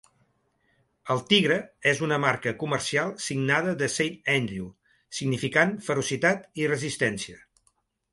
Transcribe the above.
El tigre és una marca comercial signada de Saint Andrew, significant ferocitat i resistència.